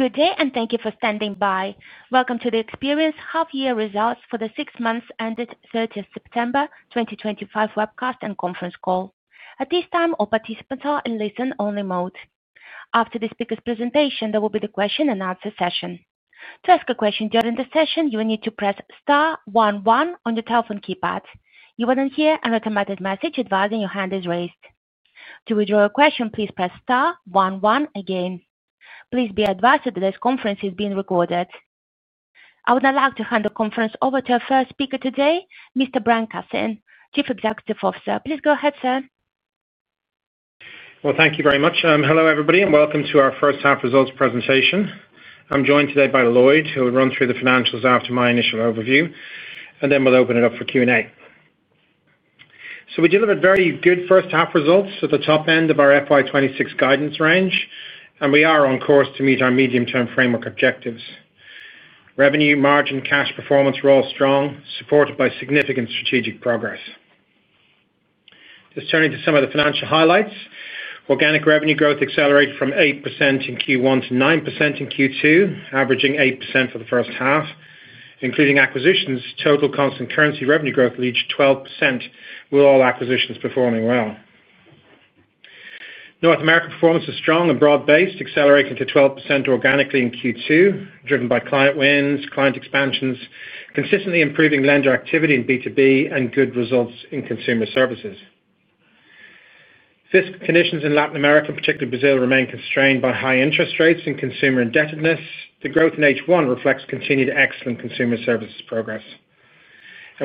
Good day, and thank you for standing by. Welcome to Experian's Half-Year Results for the six months ended 30 September 2025 webcast and conference call. At this time, all participants are in listen-only mode. After the speaker's presentation, there will be the question-and-answer session. To ask a question during the session, you will need to press Star one one on your telephone keypad. You will then hear an automated message advising your hand is raised. To withdraw a question, please press Star one one again. Please be advised that this conference is being recorded. I would now like to hand the conference over to our first speaker today, Mr. Brian Cassin, Chief Executive Officer. Please go ahead, sir. Thank you very much. Hello, everybody, and welcome to our First Half-Results Presentation. I'm joined today by Lloyd, who will run through the financials after my initial overview, and then we'll open it up for Q&A. We delivered very good first half results at the top end of our FY 2026 guidance range, and we are on course to meet our Medium-Term Framework Objectives. Revenue, margin, cash performance were all strong, supported by significant strategic progress. Just turning to some of the financial highlights, organic revenue growth accelerated from 8% in Q1 to 9% in Q2, averaging 8% for the first half, including acquisitions. Total constant currency revenue growth reached 12% with all acquisitions performing well. North America performance was strong and broad-based, accelerating to 12% organically in Q2, driven by client wins, client expansions, consistently improving lender activity in B2B, and good results in Consumer Services. Fiscal conditions in Latin America, particularly Brazil, remain constrained by high interest rates and consumer indebtedness. The growth in H1 reflects continued excellent Consumer Services progress.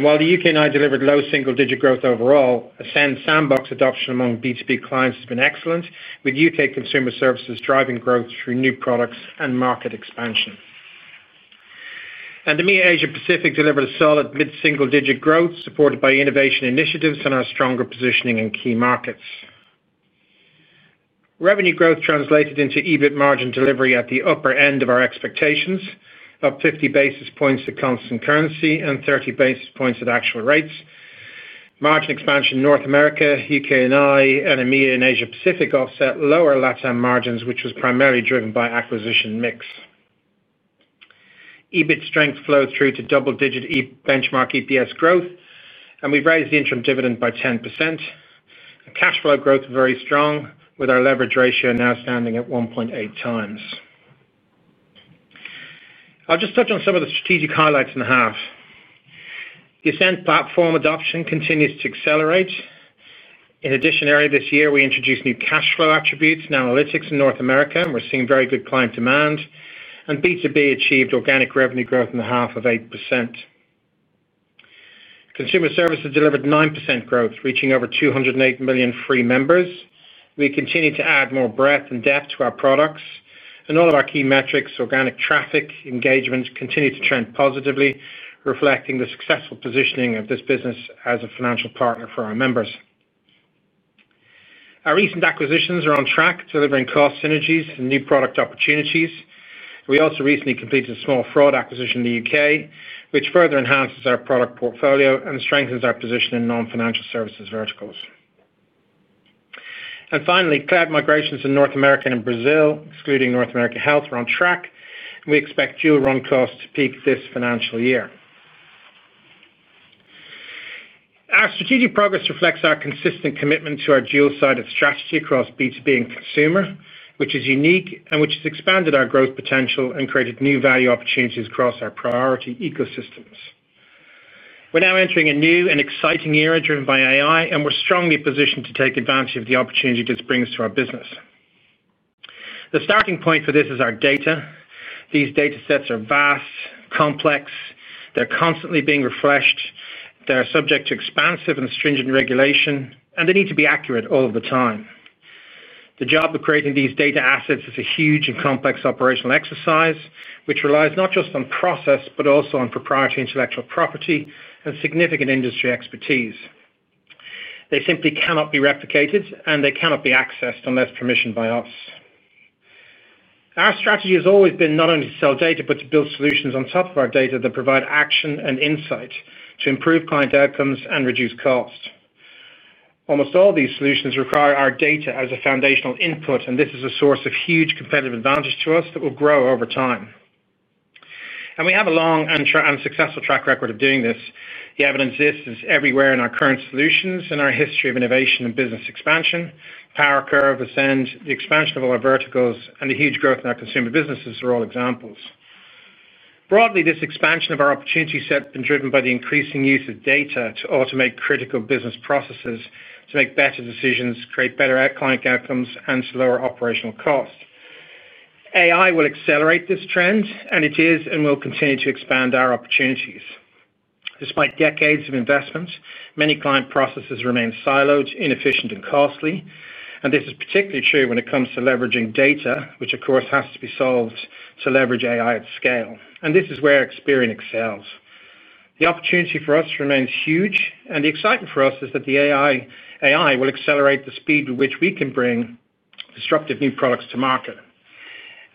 While the U.K. and Ireland delivered low single-digit growth overall, Ascend Analytical Sandbox adoption among B2B Clients has been excellent, with U.K. Consumer Services driving growth through new products and market expansion. The EMEA and Asia Pacific delivered a solid mid-single-digit growth, supported by innovation initiatives and our stronger positioning in key markets. Revenue growth translated into EBIT margin delivery at the upper end of our expectations, up 50 basis points at constant currency and 30 basis points at actual rates. Margin expansion in North America, U.K. and Ireland, and EMEA and Asia Pacific offset lower Latin America margins, which was primarily driven by acquisition m`ix. EBIT strength flowed through to double-digit benchmark EPS growth, and we've raised the interim dividend by 10%. Cash Flow growth very strong, with our leverage ratio now standing at 1.8x. I'll just touch on some of the strategic highlights in the half. The Ascend platform adoption continues to accelerate. Earlier this year, we introduced new Cash Flow attributes and analytics in North America, and we're seeing very good client demand. B2B achieved organic revenue growth in the half of 8%. Consumer services delivered 9% growth, reaching over 208 million free members. We continue to add more breadth and depth to our products, and all of our key metrics, organic traffic, engagement, continue to trend positively, reflecting the successful positioning of this business as a financial partner for our members. Our recent acquisitions are on track, delivering cost synergies and new product opportunities. We also recently completed a small Fraud Acquisition in the U.K., which further enhances our product portfolio and strengthens our position in non-financial services verticals. Finally, Cloud migrations in North America and Brazil, excluding North America Health, are on track, and we expect dual run costs to peak this financial year. Our strategic progress reflects our consistent commitment to our dual-sided strategy across B2B and Consumer, which is unique and which has expanded our growth potential and created new value opportunities across our priority ecosystems. We are now entering a new and exciting era driven by AI, and we are strongly positioned to take advantage of the opportunity this brings to our business. The starting point for this is our Data. These Data Sets are vast, complex. They are constantly being refreshed. They are subject to expansive and stringent regulation, and they need to be accurate all of the time. The job of creating these Data assets is a huge and complex operational exercise, which relies not just on process but also on proprietary intellectual property and significant industry expertise. They simply cannot be replicated, and they cannot be accessed unless permissioned by us. Our strategy has always been not only to sell Data but to build solutions on top of our Data that provide action and insight to improve client outcomes and reduce cost. Almost all these solutions require our Data as a foundational input, and this is a source of huge competitive advantage to us that will grow over time. We have a long and successful track record of doing this. The evidence exists everywhere in our current solutions and our history of innovation and business expansion. PowerCurve, Ascend, the expansion of all our verticals, and the huge growth in our consumer businesses are all examples. Broadly, this expansion of our opportunity set has been driven by the increasing use of Data to automate critical business processes, to make better decisions, create better client outcomes, and to lower operational cost. AI will accelerate this trend, and it is and will continue to expand our opportunities. Despite decades of investment, many client processes remain siloed, inefficient, and costly, and this is particularly true when it comes to leveraging Data, which, of course, has to be solved to leverage AI at scale. This is where Experian excels. The opportunity for us remains huge, and the excitement for us is that the AI will accelerate the speed with which we can bring disruptive new products to market.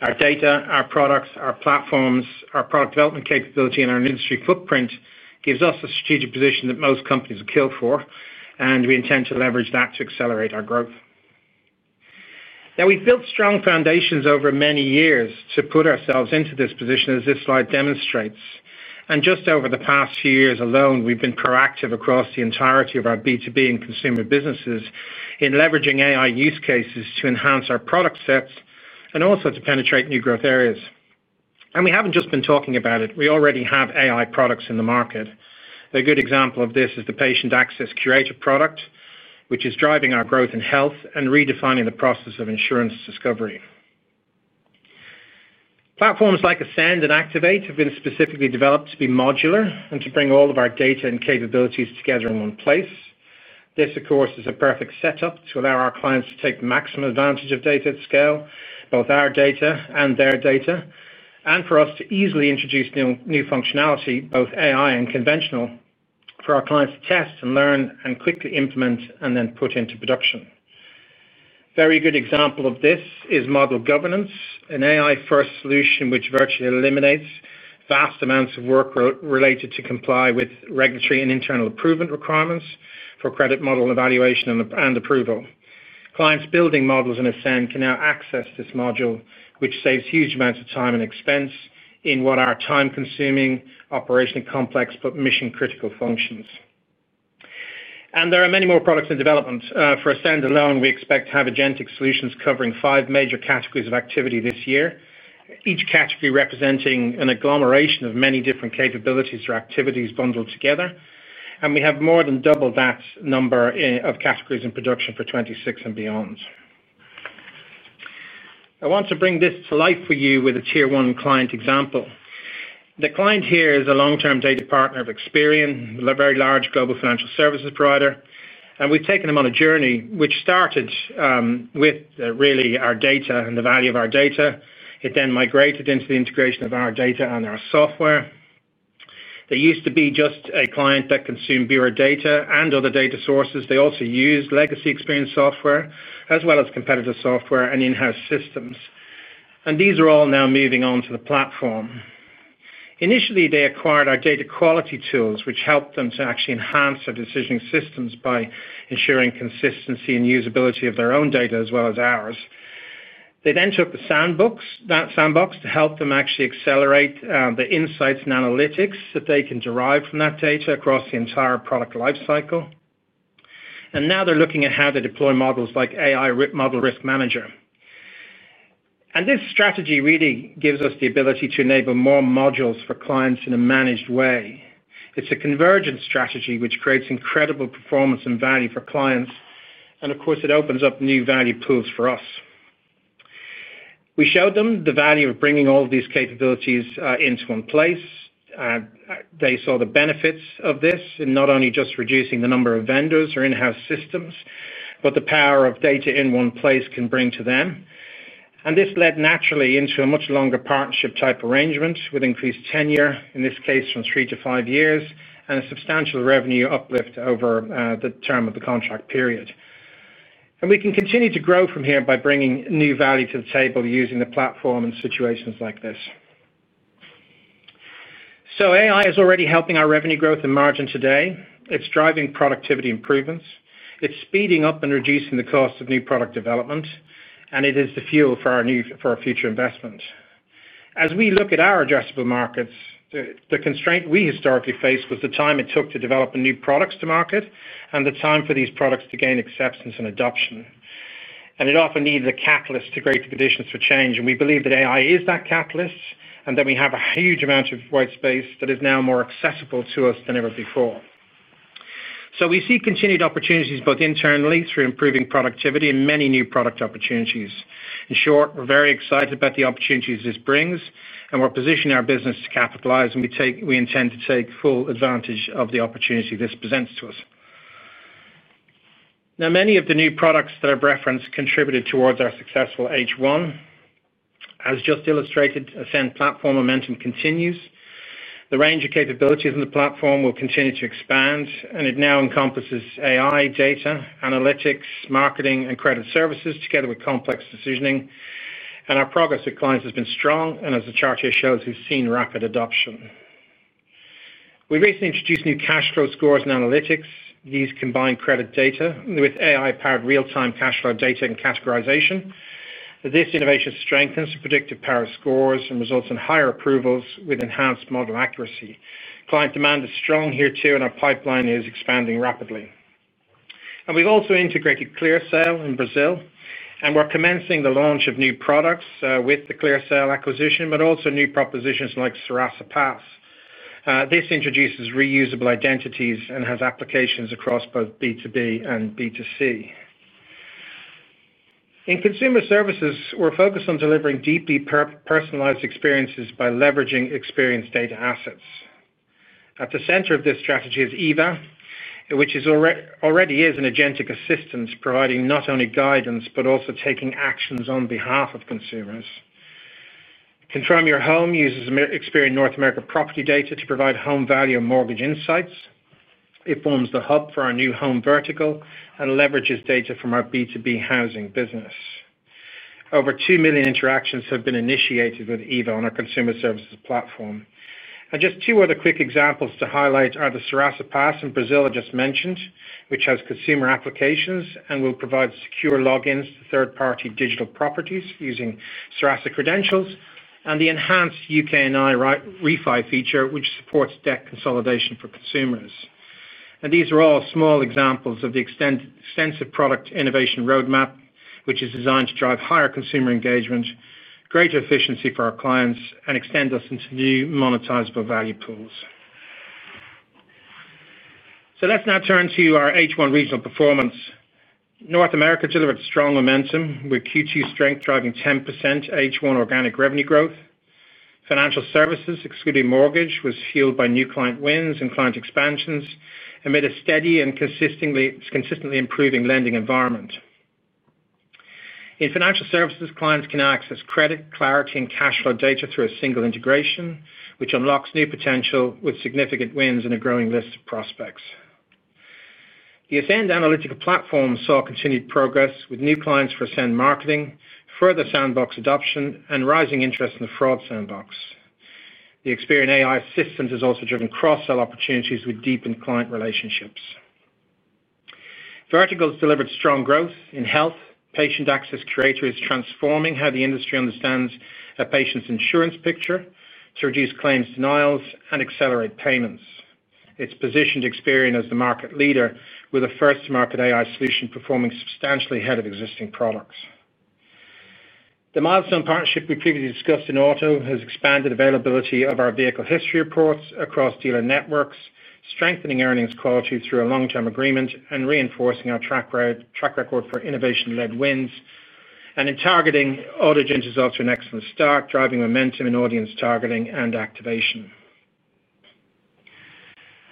Our Data, our products, our platforms, our product development capability, and our industry footprint gives us a strategic position that most companies are killed for, and we intend to leverage that to accelerate our growth. We have built strong foundations over many years to put ourselves into this position, as this slide demonstrates. Just over the past few years alone, we have been proactive across the entirety of our B2B and consumer businesses in leveraging AI use cases to enhance our product sets and also to penetrate new growth areas. We have not just been talking about it. We already have AI products in the market. A good example of this is the Patient Access Curator product, which is driving our growth in health and redefining the process of insurance discovery. Platforms like Ascend and Activate have been specifically developed to be modular and to bring all of our Data and capabilities together in one place. This, of course, is a perfect setup to allow our Clients to take maximum advantage of Data at scale, both our Data and their Data, and for us to easily introduce new functionality, both AI and conventional, for our Clients to test and learn and quickly implement and then put into production. A very good example of this is Model Governance, an AI-first solution which virtually eliminates vast amounts of work related to comply with regulatory and internal approval requirements for credit model evaluation and approval. Clients building models in Ascend can now access this module, which saves huge amounts of time and expense in what are time-consuming, operationally complex, but mission-critical functions. There are many more products in development. For Ascend alone, we expect to have agentic solutions covering five major categories of activity this year, each category representing an agglomeration of many different capabilities or activities bundled together. We have more than doubled that number of categories in production for 2026 and beyond. I want to bring this to life for you with a tier-one client example. The client here is a long-term Data partner of Experian, a very large global financial services provider. We have taken them on a journey which started with really our Data and the value of our Data. It then migrated into the integration of our Data and our software. They used to be just a client that consumed Bureau Data and other Data sources. They also used legacy Experian software as well as competitor software and in-house systems. These are all now moving on to the platform. Initially, they acquired our Data Quality tools, which helped them to actually enhance their decision systems by ensuring consistency and usability of their own Data as well as ours. They then took the Sandbox to help them actually accelerate the insights and analytics that they can derive from that Data across the entire product lifecycle. Now they're looking at how to deploy models like AI Model Risk Manager. This strategy really gives us the ability to enable more modules for Clients in a managed way. It is a convergent strategy which creates incredible performance and value for Clients. Of course, it opens up new value pools for us. We showed them the value of bringing all these capabilities into one place. They saw the benefits of this in not only just reducing the number of vendors or in-house systems, but the power of Data in one place can bring to them. This led naturally into a much longer partnership type arrangement with increased tenure, in this case from three to five years, and a substantial revenue uplift over the term of the contract period. We can continue to grow from here by bringing new value to the table using the platform in situations like this. AI is already helping our revenue growth and margin today. It is driving productivity improvements. It is speeding up and reducing the cost of new product development. It is the fuel for our future investment. As we look at our addressable markets, the constraint we historically faced was the time it took to develop new products to market and the time for these products to gain acceptance and adoption. It often needed a catalyst to create the conditions for change. We believe that AI is that catalyst, and that we have a huge amount of white space that is now more accessible to us than ever before. We see continued opportunities both internally through improving productivity and many new product opportunities. In short, we're very excited about the opportunities this brings, and we're positioning our business to capitalize, and we intend to take full advantage of the opportunity this presents to us. Now, many of the new products that I've referenced contributed towards our successful H1. As just illustrated, Ascend platform momentum continues. The range of capabilities in the platform will continue to expand, and it now encompasses AI, Data, analytics, marketing, and credit services together with complex decisioning. Our progress with Clients has been strong, and as the chart here shows, we've seen rapid adoption. We recently introduced new Cash Flow scores and analytics. These combine credit Data with AI-powered real-time Cash Flow Data and categorization. This innovation strengthens the predictive power scores and results in higher approvals with enhanced model accuracy. Client demand is strong here too, and our pipeline is expanding rapidly. We've also integrated ClearSail in Brazil, and we're commencing the launch of new products with the ClearSail acquisition, but also new propositions like Serasa Pass. This introduces reusable identities and has applications across both B2B and B2C. In Consumer Services, we're focused on delivering deeply personalized experiences by leveraging Experian's Data assets. At the center of this strategy is Eva, which already is an agentic assistant providing not only guidance but also taking actions on behalf of consumers. Confirm Your Home uses Experian North America property Data to provide home value and mortgage insights. It forms the hub for our new home vertical and leverages Data from our B2B housing business. Over 2 million interactions have been initiated with Eva on our Consumer Services platform. Just two other quick examples to highlight are the Serasa Pass in Brazil I just mentioned, which has consumer applications and will provide secure logins to third-party digital properties using Serasa credentials, and the enhanced U.K. and Ireland REFI feature, which supports debt consolidation for consumers. These are all small examples of the extensive product innovation roadmap, which is designed to drive higher consumer engagement, greater efficiency for our Clients, and extend us into new monetizable value pools. Let's now turn to our H1 regional performance. North America delivered strong momentum with Q2 strength driving 10% H1 organic revenue growth. Financial Services, excluding mortgage, was fueled by new client wins and client expansions amid a steady and consistently improving lending environment. In Financial Services, Clients can access credit, clarity, and Cash Flow Data through a single integration, which unlocks new potential with significant wins and a growing list of prospects. The Ascend Analytical Platform saw continued progress with new Clients for Ascend marketing, further Sandbox adoption, and rising interest in the Fraud Sandbox. The Experian AI system has also driven cross-sell opportunities with deepened client relationships. Verticals delivered strong growth in health. Patient Access Curator is transforming how the industry understands a patient's insurance picture to reduce claims denials and accelerate payments. It is positioned Experian as the market leader with a first-to-market AI solution performing substantially ahead of existing products. The milestone partnership we previously discussed in auto has expanded availability of our vehicle history reports across dealer networks, strengthening earnings quality through a long-term agreement and reinforcing our track record for innovation-led wins. In targeting auto, Gens is also an excellent start, driving momentum in audience targeting and activation.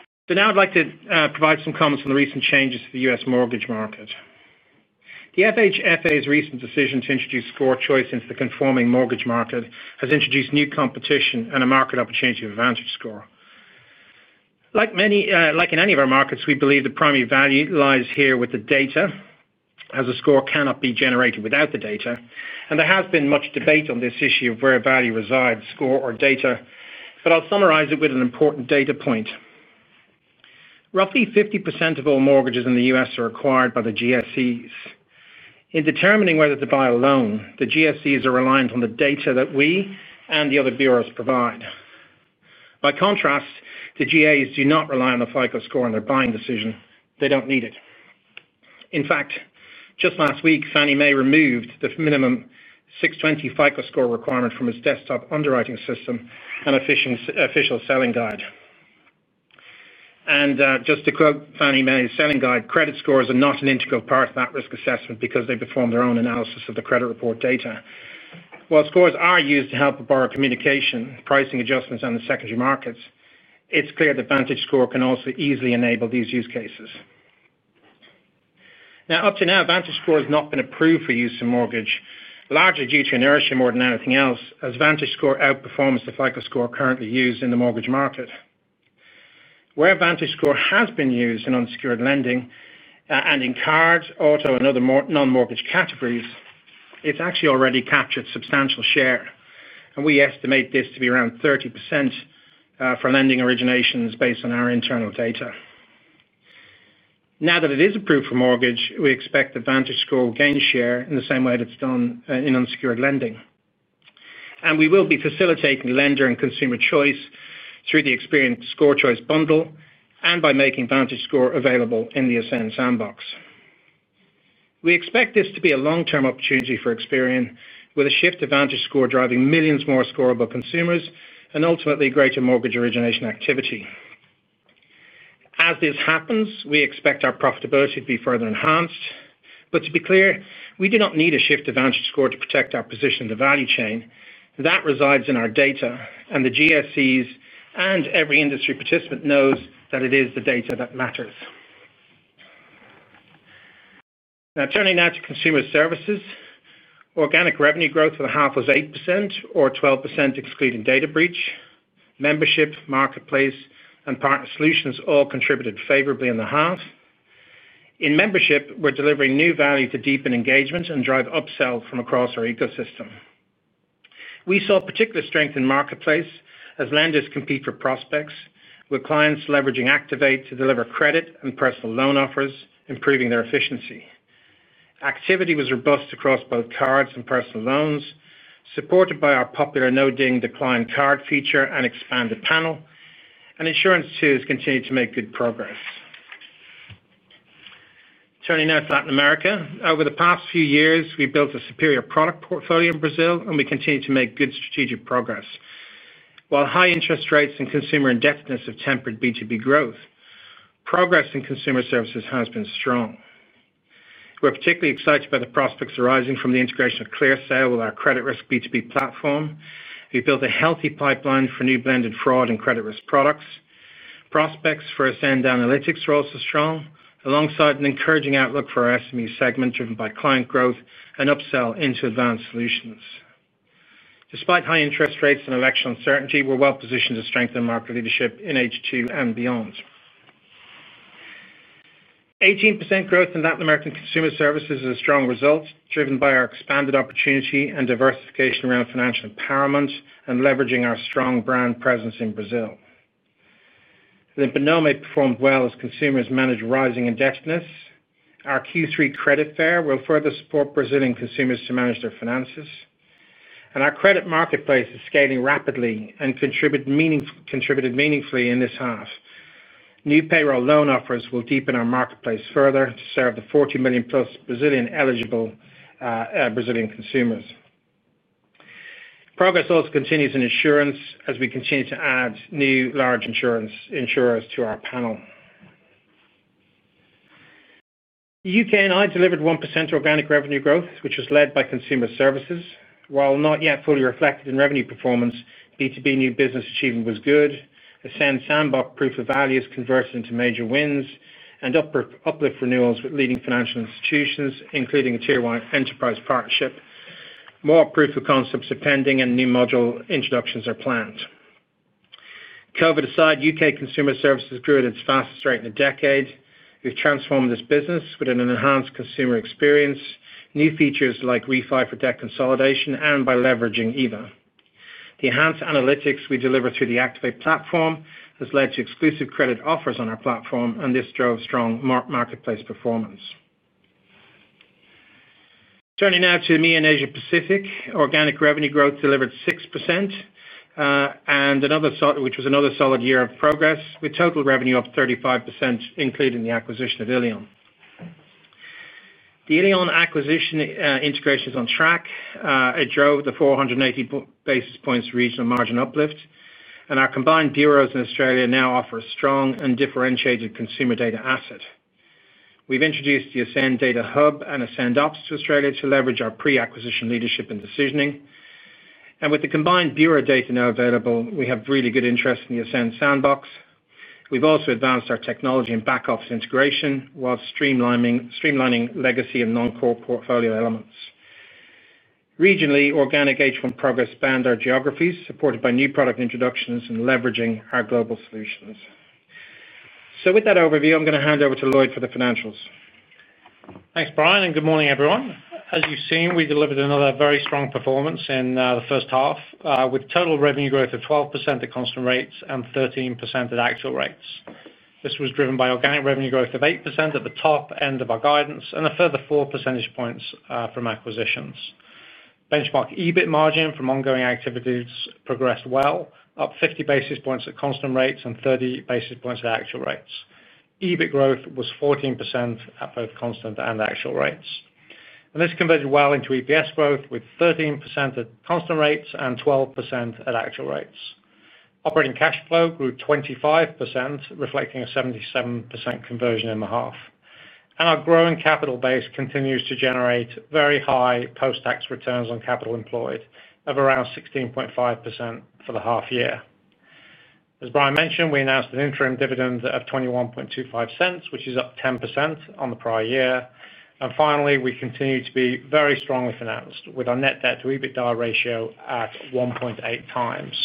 I would now like to provide some comments on the recent changes to the U.S. mortgage market. The FHFA's recent decision to introduce Score Choice into the conforming mortgage market has introduced new competition and a market opportunity for VantageScore. Like in any of our markets, we believe the primary value lies here with the Data, as a score cannot be generated without the Data. There has been much debate on this issue of where value resides, score or Data, but I'll summarize it with an important Data point. Roughly 50% of all mortgages in the U.S. are acquired by the GSEs. In determining whether to buy a loan, the GSEs are reliant on the Data that we and the other bureaus provide. By contrast, the GSEs do not rely on the FICO score in their buying decision. They do not need it. In fact, just last week, Fannie Mae removed the minimum 620 FICO score requirement from its desktop underwriting system and official selling guide. Just to quote Fannie Mae's selling guide, credit scores are not an integral part of that risk assessment because they perform their own analysis of the credit report Data. While scores are used to help borrower communication, pricing adjustments, and the secondary markets, it is clear that VantageScore can also easily enable these use cases. Up to now, VantageScore has not been approved for use in mortgage, largely due to inertia more than anything else, as VantageScore outperforms the FICO score currently used in the mortgage market. Where VantageScore has been used in unsecured lending and in cards, auto, and other non-mortgage categories, it has actually already captured substantial share. We estimate this to be around 30% for lending originations based on our internal Data. Now that it is approved for mortgage, we expect the VantageScore will gain share in the same way that it's done in unsecured lending. We will be facilitating lender and consumer choice through the Experian Score Choice bundle and by making VantageScore available in the Ascend Analytical Sandbox. We expect this to be a long-term opportunity for Experian with a shift to VantageScore driving millions more scoreable consumers and ultimately greater mortgage origination activity. As this happens, we expect our profitability to be further enhanced. To be clear, we do not need a shift to VantageScore to protect our position in the value chain. That resides in our Data, and the GSEs and every industry participant knows that it is the Data that matters. Now, turning now to Consumer Services, organic revenue growth for the half was 8% or 12% excluding Data breach. Membership, marketplace, and partner solutions all contributed favorably in the half. In Membership, we're delivering new value to deepen engagement and drive upsell from across our ecosystem. We saw particular strength in marketplace as lenders compete for prospects, with Clients leveraging Activate to deliver credit and personal loan offers, improving their efficiency. Activity was robust across both cards and personal loans, supported by our popular No Ding Decline Card feature and expanded panel. Insurance too has continued to make good progress. Turning now to Latin America, over the past few years, we built a superior product portfolio in Brazil, and we continue to make good strategic progress. While high interest rates and consumer indebtedness have tempered B2B growth, progress in Consumer Services has been strong. We're particularly excited by the prospects arising from the integration of ClearSail with our credit risk B2B platform. We built a healthy pipeline for new blended fraud and credit risk products. Prospects for Ascend Analytics are also strong, alongside an encouraging outlook for our SME segment driven by client growth and upsell into advanced solutions. Despite high interest rates and election uncertainty, we're well positioned to strengthen market leadership in H2 and beyond. 18% growth in Latin American Consumer Services is a strong result, driven by our expanded opportunity and diversification around financial empowerment and leveraging our strong brand presence in Brazil. Limpa Nome performed well as consumers managed rising indebtedness. Our Q3 credit fair will further support Brazilian consumers to manage their finances. Our credit marketplace is scaling rapidly and contributed meaningfully in this half. New payroll loan offers will deepen our marketplace further to serve the 40 million-plus eligible Brazilian consumers. Progress also continues in insurance as we continue to add new large insurers to our panel. The U.K. and Ireland delivered 1% organic revenue growth, which was led by Consumer Services. While not yet fully reflected in revenue performance, B2B new business achievement was good. Ascend Analytical Sandbox proof of value has converted into major wins and uplift renewals with leading financial institutions, including Tier 1 Enterprise Partnership. More proof of concepts are pending, and new module introductions are planned. COVID aside, U.K. Consumer Services grew at its fastest rate in a decade. We've transformed this business with an enhanced consumer experience, new features like REFI for debt consolidation, and by leveraging Eva. The enhanced analytics we deliver through the Activate platform has led to exclusive credit offers on our platform, and this drove strong marketplace performance. Turning now to EMEA and Asia Pacific, organic revenue growth delivered 6%, which was another solid year of progress, with total revenue up 35%, including the acquisition of ILEON. The ILEON acquisition integration is on track. It drove the 480 basis points regional margin uplift, and our combined bureaus in Australia now offer a strong and differentiated consumer Data asset. We have introduced the Ascend Data Hub and Ascend Ops to Australia to leverage our pre-acquisition leadership and decisioning. With the combined bureau Data now available, we have really good interest in Ascend Analytical Sandbox. We have also advanced our technology and back-office integration while streamlining legacy and non-core portfolio elements. Regionally, organic H1 progress spanned our geographies, supported by new product introductions and leveraging our global solutions. With that overview, I am going to hand over to Lloyd for the financials. Thanks, Brian, and good morning, everyone. As you've seen, we delivered another very strong performance in the first half with total revenue growth of 12% at constant rates and 13% at actual rates. This was driven by organic revenue growth of 8% at the top end of our guidance and a further 4 percentage points from acquisitions. Benchmark EBIT margin from ongoing activities progressed well, up 50 basis points at constant rates and 30 basis points at actual rates. EBIT growth was 14% at both constant and actual rates. This converted well into EPS growth with 13% at constant rates and 12% at actual rates. Operating Cash Flow grew 25%, reflecting a 77% conversion in the half. Our growing capital base continues to generate very high post-tax returns on capital employed of around 16.5% for the half year. As Brian mentioned, we announced an interim dividend of $0.2125, which is up 10% on the prior year. Finally, we continue to be very strongly financed with our net debt to EBITDA ratio at 1.8x.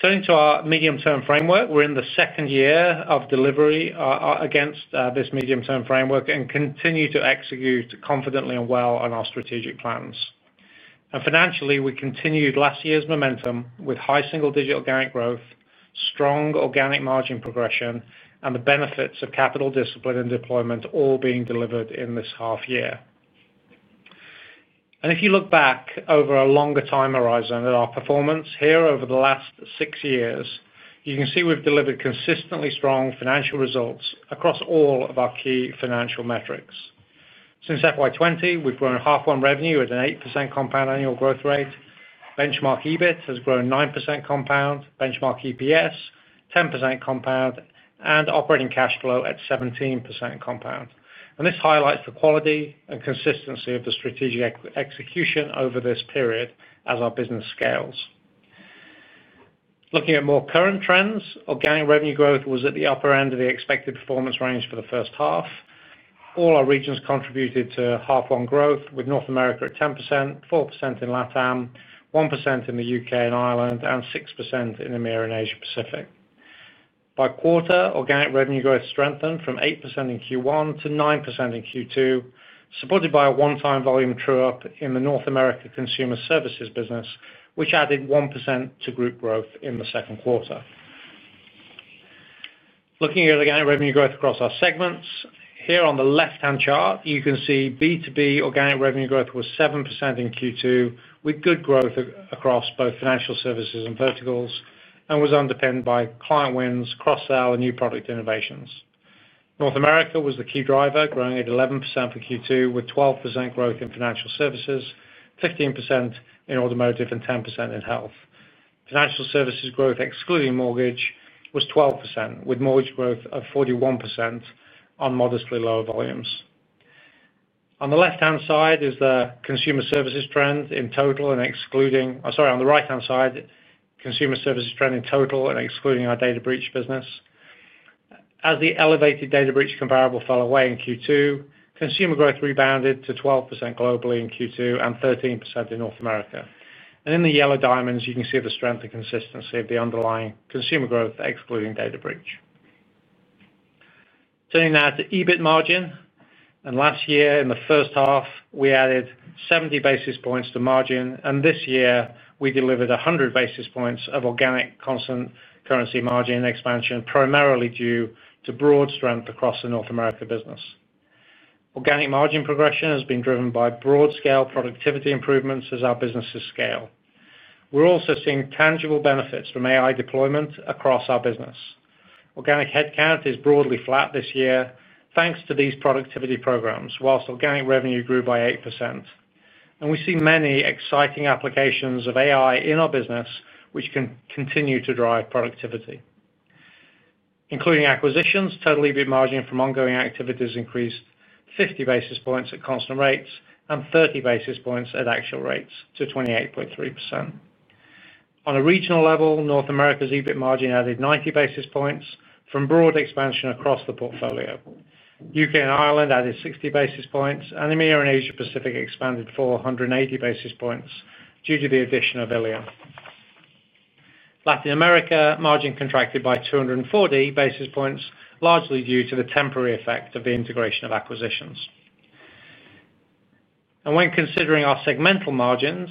Turning to our medium-term framework, we're in the second year of delivery against this medium-term framework and continue to execute confidently and well on our strategic plans. Financially, we continued last year's momentum with high single-digit organic growth, strong organic margin progression, and the benefits of capital discipline and deployment all being delivered in this half year. If you look back over a longer time horizon at our performance here over the last six years, you can see we've delivered consistently strong financial results across all of our key financial metrics. Since FY 2020, we've grown half-one revenue at an 8% compound annual growth rate. Benchmark EBIT has grown 9% compound, benchmark EPS 10% compound, and operating Cash Flow at 17% compound. This highlights the quality and consistency of the strategic execution over this period as our business scales. Looking at more current trends, organic revenue growth was at the upper end of the expected performance range for the first half. All our regions contributed to half-one growth, with North America at 10%, 4% in LATAM, 1% in the U.K. and Ireland, and 6% in EMEA and Asia Pacific. By quarter, organic revenue growth strengthened from 8% in Q1 to 9% in Q2, supported by a one-time volume true-up in the North America Consumer Services business, which added 1% to group growth in the second quarter. Looking at organic revenue growth across our segments, here on the left-hand chart, you can see B2B organic revenue growth was 7% in Q2, with good growth across both financial services and verticals, and was underpinned by client wins, cross-sell, and new product innovations. North America was the key driver, growing at 11% for Q2, with 12% growth in financial services, 15% in automotive, and 10% in health. Financial services growth, excluding mortgage, was 12%, with mortgage growth of 41% on modestly lower volumes. On the left-hand side is the Consumer Services trend in total and excluding—I'm sorry, on the right-hand side, Consumer Services trend in total and excluding our Data breach business. As the elevated Data breach comparable fell away in Q2, consumer growth rebounded to 12% globally in Q2 and 13% in North America. In the yellow diamonds, you can see the strength and consistency of the underlying consumer growth, excluding Data breach. Turning now to EBIT margin. Last year, in the first half, we added 70 basis points to margin, and this year, we delivered 100 basis points of organic constant currency margin expansion, primarily due to broad strength across the North America business. Organic margin progression has been driven by broad-scale productivity improvements as our businesses scale. We are also seeing tangible benefits from AI deployment across our business. Organic headcount is broadly flat this year, thanks to these productivity programs, whilst organic revenue grew by 8%. We see many exciting applications of AI in our business, which can continue to drive productivity. Including acquisitions, total EBIT margin from ongoing activities increased 50 basis points at constant rates and 30 basis points at actual rates to 28.3%. On a regional level, North America's EBIT margin added 90 basis points from broad expansion across the portfolio. U.K. and Ireland added 60 basis points, and EMEA and Asia Pacific expanded 480 basis points due to the addition of ILEON. Latin America margin contracted by 240 basis points, largely due to the temporary effect of the integration of acquisitions. When considering our segmental margins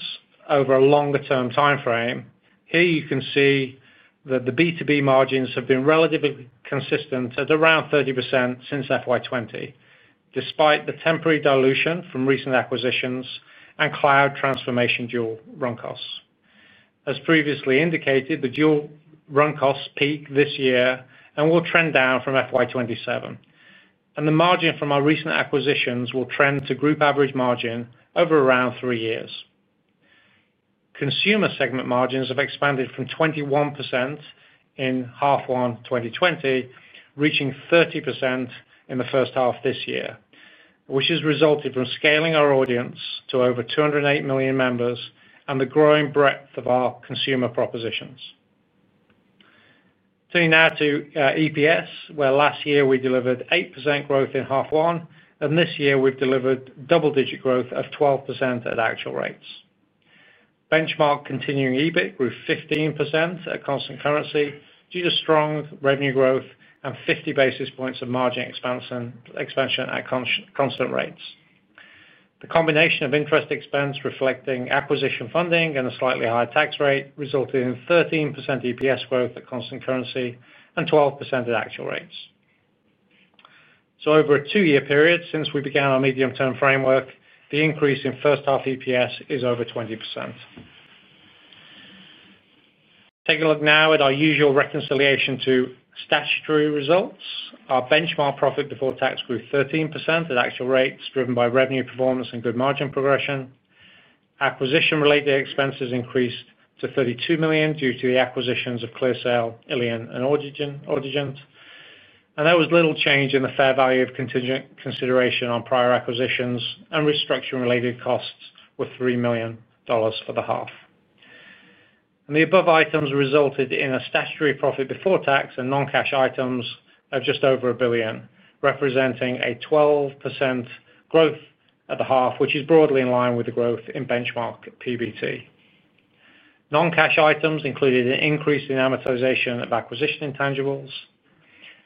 over a longer-term time frame, here you can see that the B2B margins have been relatively consistent at around 30% since fiscal year 2020, despite the temporary dilution from recent acquisitions and cloud transformation dual run costs. As previously indicated, the dual run costs peaked this year and will trend down from fiscal year 2027. The margin from our recent acquisitions will trend to group average margin over around three years. Consumer segment margins have expanded from 21% in half-one 2020, reaching 30% in the first half this year, which has resulted from scaling our audience to over 208 million members and the growing breadth of our consumer propositions. Turning now to EPS, where last year we delivered 8% growth in half-one, and this year we've delivered double-digit growth of 12% at actual rates. Benchmark continuing EBIT grew 15% at constant currency due to strong revenue growth and 50 basis points of margin expansion at constant rates. The combination of interest expense reflecting acquisition funding and a slightly higher tax rate resulted in 13% EPS growth at constant currency and 12% at actual rates. Over a two-year period since we began our medium-term framework, the increase in first-half EPS is over 20%. Taking a look now at our usual reconciliation to statutory results, our benchmark profit before tax grew 13% at actual rates driven by revenue performance and good margin progression. Acquisition-related expenses increased to $32 million due to the acquisitions of ClearSail, ILEON, and Audigent. There was little change in the fair value of consideration on prior acquisitions and restructuring-related costs with $3 million for the half. The above items resulted in a statutory profit before tax and non-cash items of just over $1 billion, representing a 12% growth at the half, which is broadly in line with the growth in benchmark PBT. Non-cash items included an increase in amortization of acquisition intangibles,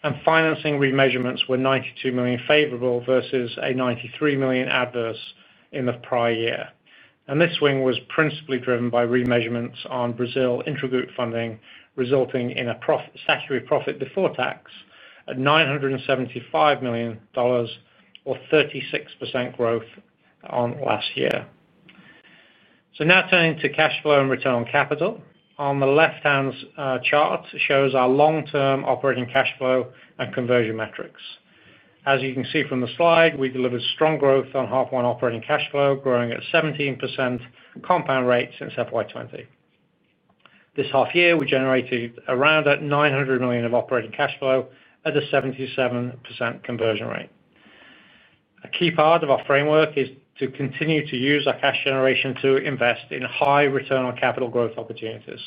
and financing remeasurements were $92 million favorable versus a $93 million adverse in the prior year. This swing was principally driven by remeasurements on Brazil intragroup funding, resulting in a statutory profit before tax at $975 million or 36% growth last year. Now turning to Cash Flow and return on capital, the left-hand chart shows our long-term operating Cash Flow and conversion metrics. As you can see from the slide, we delivered strong growth on half-one operating Cash Flow, growing at a 17% compound rate since FY 2020. This half year, we generated around $900 million of operating Cash Flow at a 77% conversion rate. A key part of our framework is to continue to use our cash generation to invest in high Return on Capital growth opportunities.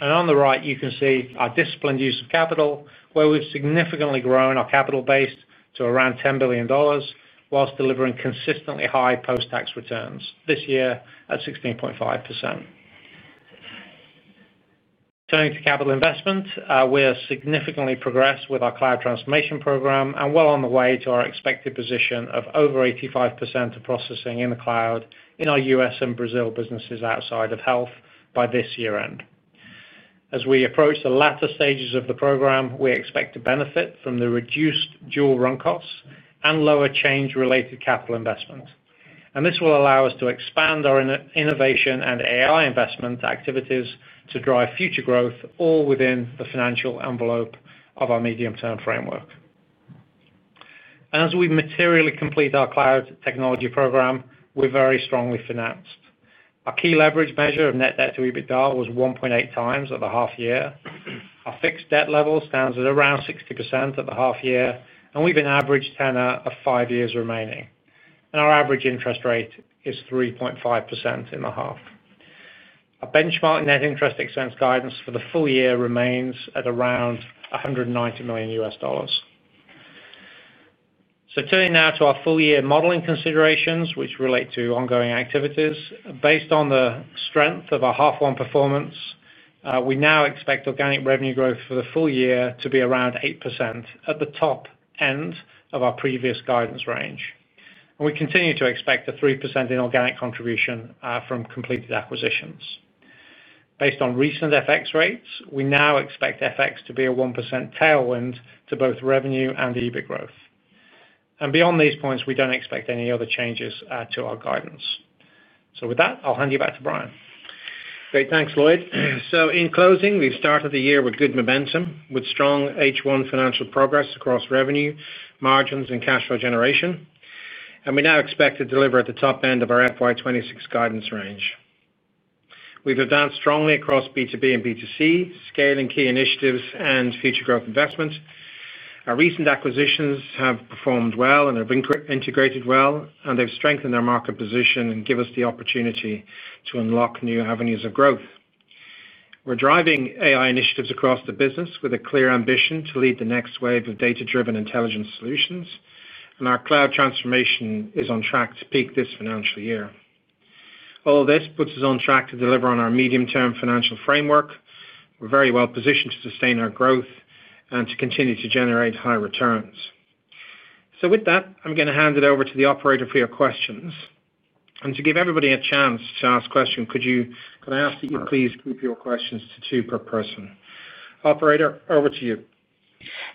On the right, you can see our disciplined use of capital, where we have significantly grown our capital base to around $10 billion while delivering consistently high post-tax returns this year at 16.5%. Turning to Capital Investment, we have significantly progressed with our Cloud Transformation program and are well on the way to our expected position of over 85% of processing in the cloud in our U.S. and Brazil businesses outside of health by this year-end. As we approach the latter stages of the program, we expect to benefit from the reduced dual run costs and lower change-related Capital Investment. This will allow us to expand our innovation and AI investment activities to drive future growth, all within the financial envelope of our medium-term framework. As we materially complete our Cloud Technology program, we're very strongly financed. Our key leverage measure of net debt to EBITDA was 1.8x over the half year. Our fixed debt level stands at around 60% over the half year, and we have an average tenor of five years remaining. Our average interest rate is 3.5% in the half. Our benchmark net interest expense guidance for the full year remains at around $190 million. Turning now to our full-year modeling considerations, which relate to ongoing activities, based on the strength of our half-one performance, we now expect organic revenue growth for the full year to be around 8% at the top end of our previous guidance range. We continue to expect a 3% inorganic contribution from completed acquisitions. Based on recent FX rates, we now expect FX to be a 1% tailwind to both revenue and EBIT growth. Beyond these points, we do not expect any other changes to our guidance. With that, I'll hand you back to Brian. Great. Thanks, Lloyd. In closing, we've started the year with good momentum, with strong H1 financial progress across revenue, margins, and Cash Flow generation. We now expect to deliver at the top end of our FY 2026 guidance range. We have advanced strongly across B2B and B2C, scaling key initiatives and future growth investment. Our recent acquisitions have performed well and have been integrated well, and they have strengthened our market position and given us the opportunity to unlock new avenues of growth. We are driving AI initiatives across the business with a clear ambition to lead the next wave of Data-Driven Intelligence solutions, and our Cloud Transformation is on track to peak this financial year. All of this puts us on track to deliver on our medium-term financial framework. We are very well positioned to sustain our growth and to continue to generate high returns. With that, I am going to hand it over to the operator for your questions. To give everybody a chance to ask a question, could I ask that you please keep your questions to two per person? Operator, over to you.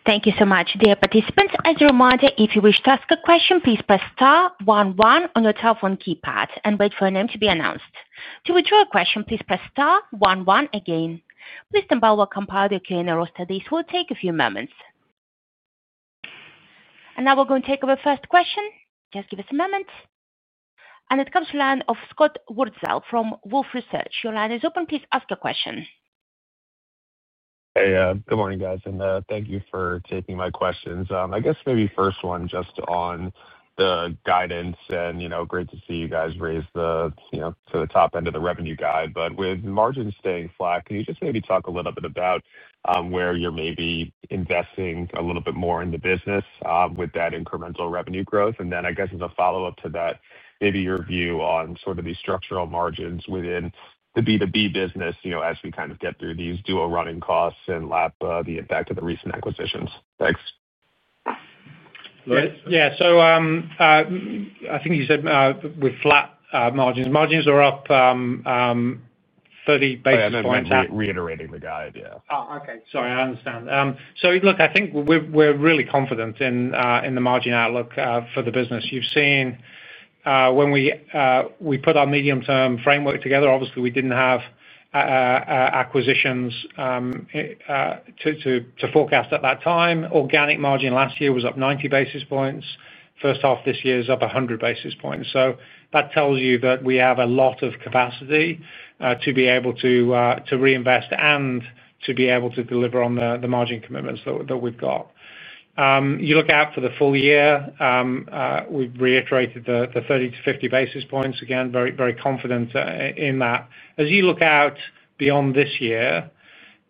Thank you so much. Dear participants, as a reminder, if you wish to ask a question, please press Star one one on your telephone keypad and wait for your name to be announced. To withdraw a question, please press Star one one again. Please do not bother compiling your Q&A or studies. It will take a few moments. Now we are going to take our first question. Just give us a moment. It comes from Scott Wurtzel from Wolfe Research. Your line is open. Please ask a question. Hey, good morning, guys. Thank you for taking my questions. I guess maybe first one just on the guidance. Great to see you guys raise to the top end of the revenue guide. With margins staying flat, can you just maybe talk a little bit about where you're maybe investing a little bit more in the business with that incremental revenue growth? I guess as a follow-up to that, maybe your view on sort of these structural margins within the B2B business as we kind of get through these dual running costs and the impact of the recent acquisitions. Thanks. Yeah. I think you said we're flat margins. Margins are up 30 basis points. I am reiterating the guide, yeah. Oh, okay. Sorry. I understand. I think we're really confident in the margin outlook for the business. You've seen when we put our medium-term framework together, obviously, we didn't have acquisitions to forecast at that time. Organic margin last year was up 90 basis points. First half this year is up 100 basis points. That tells you that we have a lot of capacity to be able to reinvest and to be able to deliver on the margin commitments that we've got. You look out for the full year, we've reiterated the 30-50 basis points. Again, very confident in that. As you look out beyond this year,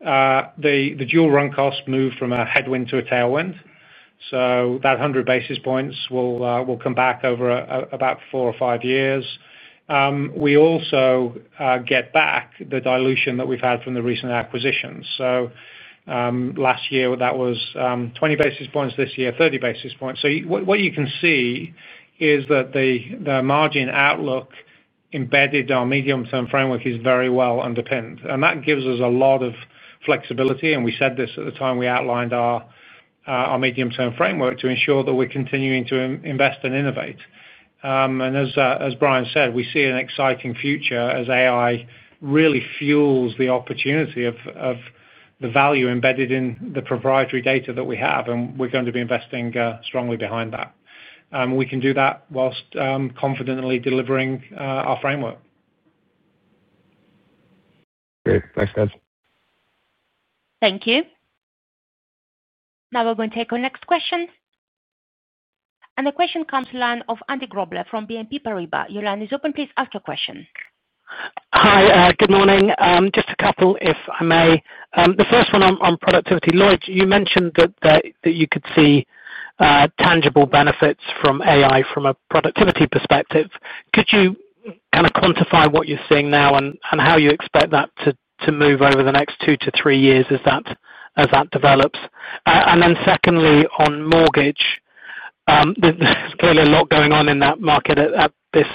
the dual run costs moved from a headwind to a tailwind. That 100 basis points will come back over about four or five years. We also get back the dilution that we've had from the recent acquisitions. Last year, that was 20 basis points. This year, 30 basis points. What you can see is that the margin outlook embedded in our medium-term framework is very well underpinned. That gives us a lot of flexibility. We said this at the time we outlined our medium-term framework to ensure that we're continuing to invest and innovate. As Brian said, we see an exciting future as AI really fuels the opportunity of the value embedded in the proprietary Data that we have, and we're going to be investing strongly behind that. We can do that whilst confidently delivering our framework. Okay. Thanks, guys. Thank you. Now we're going to take our next question. The question comes from the line of Andy Grobler from BNP Paribas. Your line is open. Please ask your question. Hi. Good morning. Just a couple, if I may. The first one on productivity. Lloyd, you mentioned that you could see tangible benefits from AI from a productivity perspective. Could you kind of quantify what you're seeing now and how you expect that to move over the next two to three years as that develops? Secondly, on mortgage, there's clearly a lot going on in that market at this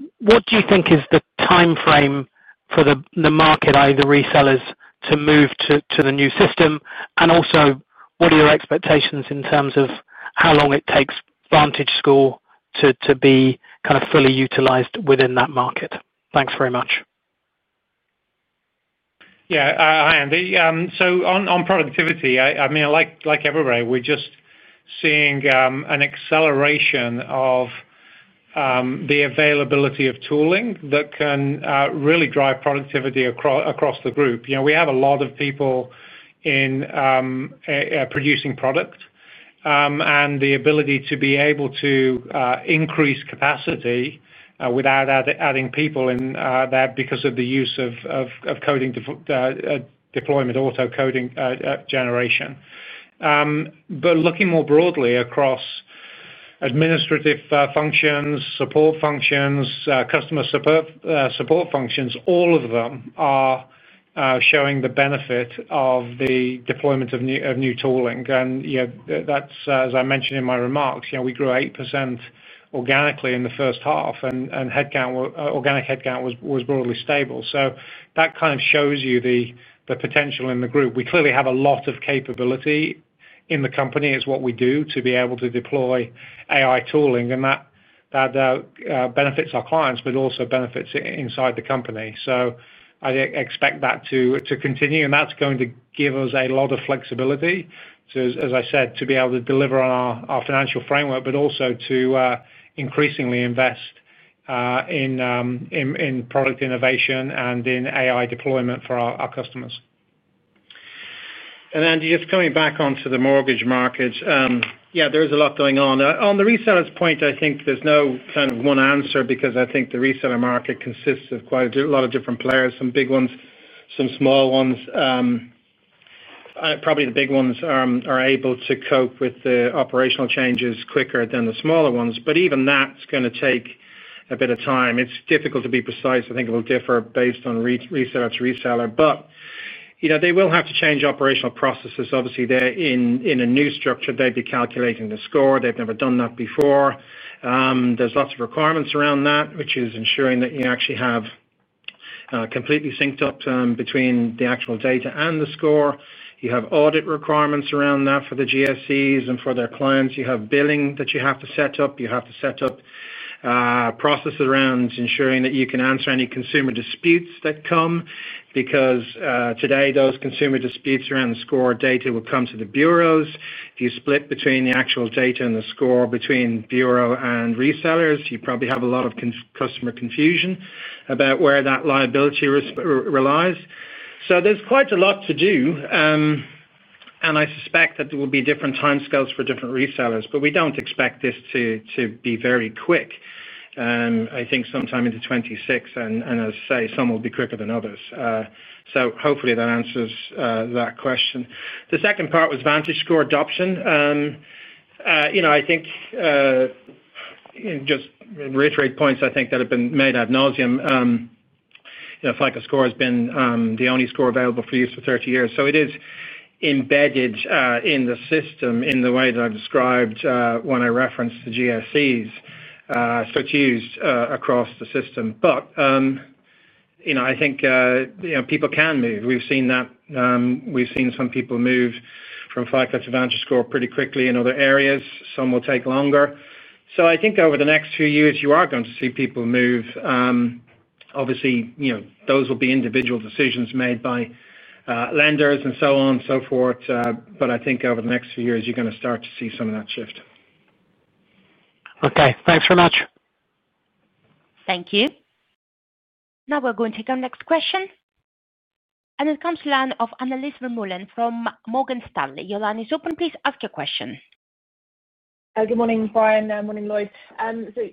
time. What do you think is the timeframe for the market, either resellers, to move to the new system? Also, what are your expectations in terms of how long it takes VantageScore to be kind of fully utilized within that market? Thanks very much. Yeah. Hi, Andy. On productivity, I mean, like everywhere, we're just seeing an acceleration of the availability of tooling that can really drive productivity across the group. We have a lot of people in producing product, and the ability to be able to increase capacity without adding people in there because of the use of coding deployment, auto coding generation. Looking more broadly across Administrative Functions, Support Functions, Customer Support Functions, all of them are showing the benefit of the deployment of new tooling. As I mentioned in my remarks, we grew 8% organically in the first half, and organic headcount was broadly stable. That kind of shows you the potential in the group. We clearly have a lot of capability in the company. It is what we do to be able to deploy AI tooling, and that benefits our Clients, but also benefits inside the company. I expect that to continue, and that is going to give us a lot of flexibility. As I said, to be able to deliver on our Financial Framework, but also to increasingly invest in Product Innovation and in AI deployment for our customers. Andy, just coming back onto the mortgage markets, yeah, there is a lot going on. On the resellers' point, I think there's no kind of one answer because I think the reseller market consists of quite a lot of different players. Some big ones, some small ones. Probably the big ones are able to cope with the operational changes quicker than the smaller ones. Even that's going to take a bit of time. It's difficult to be precise. I think it will differ based on reseller to reseller. They will have to change operational processes. Obviously, they're in a new structure. They'd be calculating the score. They've never done that before. There's lots of requirements around that, which is ensuring that you actually have completely synced up between the actual Data and the score. You have audit requirements around that for the GSEs and for their Clients. You have billing that you have to set up. You have to set up processes around ensuring that you can answer any consumer disputes that come because today, those consumer disputes around the score Data will come to the Bureaus. If you split between the actual Data and the score between Bureau and Resellers, you probably have a lot of customer confusion about where that liability relies. There is quite a lot to do, and I suspect that there will be different timescales for different resellers. We do not expect this to be very quick. I think sometime in 2026, and as I say, some will be quicker than others. Hopefully, that answers that question. The second part was VantageScore adoption. I think just reiterate points I think that have been made ad nauseam. FICO Score has been the only score available for use for 30 years. It is embedded in the system in the way that I have described when I referenced the GSEs. It is used across the system. I think people can move. We have seen that. We have seen some people move from FICO to VantageScore pretty quickly in other areas. Some will take longer. I think over the next few years, you are going to see people move. Obviously, those will be individual decisions made by Lenders and so on and so forth. I think over the next few years, you are going to start to see some of that shift. Okay. Thanks very much. Thank you. Now we are going to take our next question. It comes to line of Annelies Vermeulen from Morgan Stanley. Your line is open. Please ask your question. Good morning, Brian. Morning, Lloyd.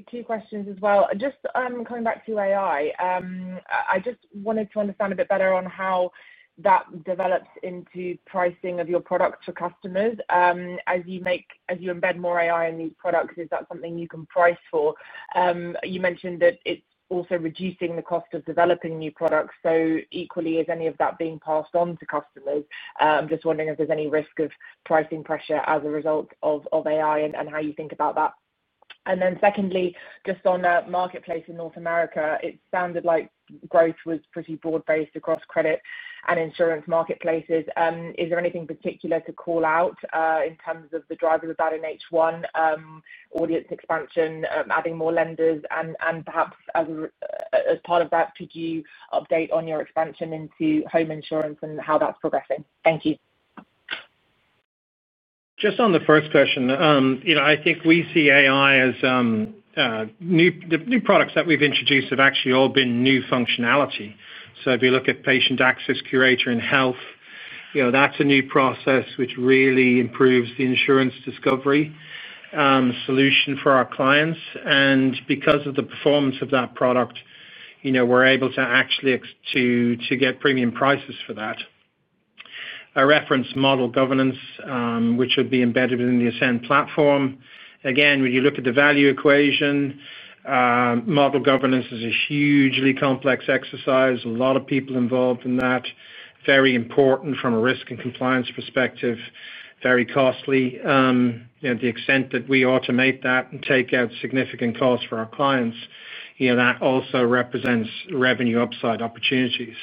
Two questions as well. Just coming back to AI, I just wanted to understand a bit better on how that develops into pricing of your products for customers. As you embed more AI in these products, is that something you can price for? You mentioned that it's also reducing the cost of developing new products. Equally, is any of that being passed on to customers? I'm just wondering if there's any risk of pricing pressure as a result of AI and how you think about that. Secondly, just on Marketplace in North America, it sounded like growth was pretty broad-based across Credit and Insurance Marketplaces. Is there anything particular to call out in terms of the drivers of that in H1, audience expansion, adding more lenders, and perhaps as part of that, could you update on your expansion into home insurance and how that's progressing? Thank you. Just on the first question, I think we see AI as new products that we've introduced have actually all been new functionality. If you look at Patient Access Curator in Health, that's a new process which really improves the insurance discovery solution for our Clients. Because of the performance of that product, we're able to actually get premium prices for that. I referenced Model Governance, which would be embedded in the Ascend Platform. When you look at the value equation, Model Governance is a hugely complex exercise. A lot of people involved in that. Very important from a Risk and Compliance perspective. Very costly. The extent that we automate that and take out significant costs for our Clients, that also represents revenue upside opportunity.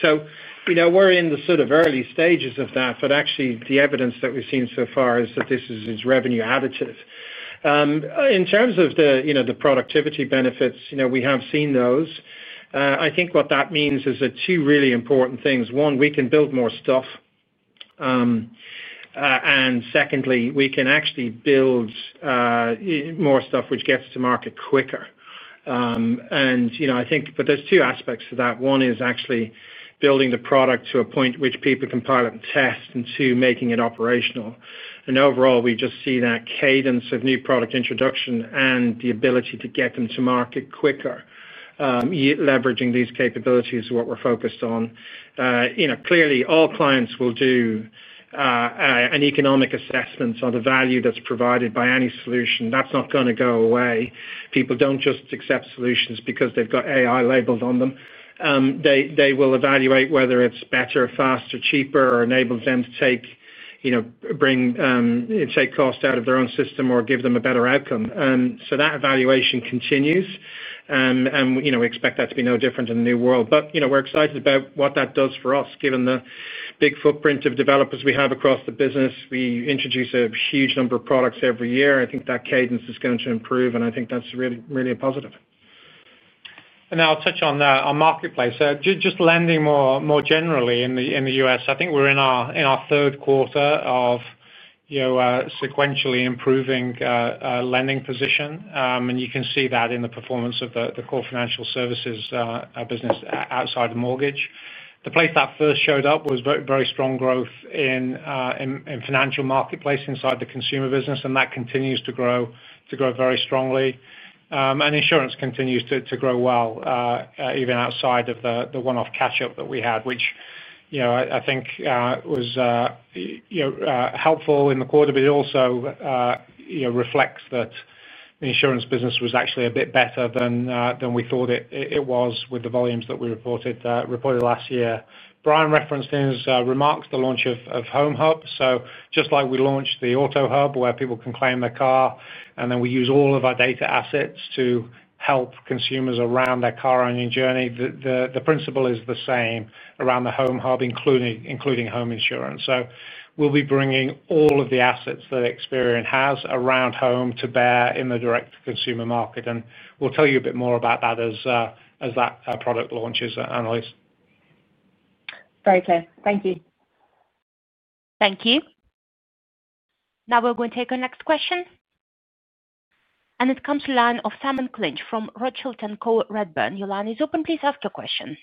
We're in the sort of early stages of that, but actually, the evidence that we've seen so far is that this is revenue additive. In terms of the productivity benefits, we have seen those. I think what that means is there are two really important things. One, we can build more stuff. Secondly, we can actually build more stuff which gets to market quicker. I think there's two aspects to that. One is actually building the product to a point which people can pilot and test and to making it operational. Overall, we just see that cadence of new product introduction and the ability to get them to market quicker, leveraging these capabilities is what we're focused on. Clearly, all Clients will do an economic assessment on the value that's provided by any solution. That's not going to go away. People do not just accept solutions because they have got AI labeled on them. They will evaluate whether it is better, faster, cheaper, or enables them to take cost out of their own system or give them a better outcome. That evaluation continues. We expect that to be no different in the new world. We are excited about what that does for us, given the big footprint of developers we have across the business. We introduce a huge number of products every year. I think that cadence is going to improve, and I think that is really a positive. I will touch on that on marketplace. Lending more generally in the U.S., I think we are in our third quarter of sequentially improving lending position. You can see that in the performance of the core financial services business outside of mortgage. The place that first showed up was very strong growth in Financial Marketplace inside the Consumer Business, and that continues to grow very strongly. Insurance continues to grow well, even outside of the one-off catch-up that we had, which I think was helpful in the quarter, but it also reflects that the insurance business was actually a bit better than we thought it was with the volumes that we reported last year. Brian referenced in his remarks the launch of HomeHub. Just like we launched the AutoHub, where people can claim their car, and then we use all of our Data assets to help Consumers around their car-owning journey, the principle is the same around the HomeHub, including Home Insurance. We will be bringing all of the assets that Experian has around home to bear in the Direct-to-Consumer Market. We'll tell you a bit more about that as that product launches, Annelies. Very clear. Thank you. Thank you. Now we're going to take our next question. It comes to you, Simon Clinch from Rothschild & Co Redburn. Your line is open. Please ask your question.